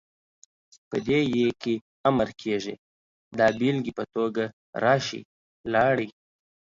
په دې ئ کې امر کيږي، دا بيلګې په توګه ، راشئ، لاړئ،